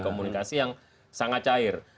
komunikasi yang sangat cair